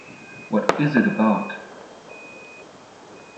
What is it about?